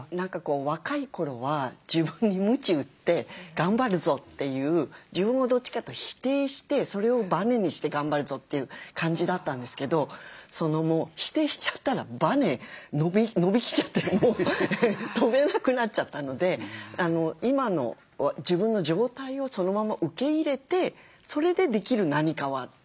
若い頃は自分にむち打って頑張るぞという自分をどっちかというと否定してそれをバネにして頑張るぞという感じだったんですけど否定しちゃったらバネ伸び切っちゃってもう跳べなくなっちゃったので今の自分の状態をそのまま受け入れてそれでできる何かはどうなんだ？